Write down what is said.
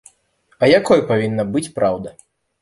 А якой павінна быць праўда?